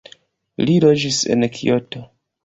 Li loĝis en Kioto.